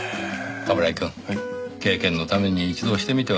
冠城くん経験のために一度してみてはいかがですか？